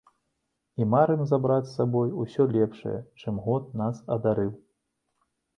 І марым забраць з сабой усё лепшае, чым год нас адарыў.